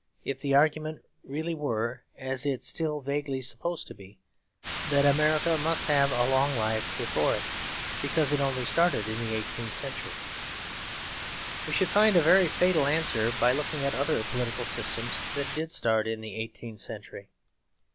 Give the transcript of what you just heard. If the argument really were, as it is still vaguely supposed to be, that America must have a long life before it, because it only started in the eighteenth century, we should find a very fatal answer by looking at the other political systems that did start in the eighteenth century.